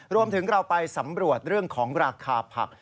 รวมถึงเราไปสำรวจเรื่องของราคาผัก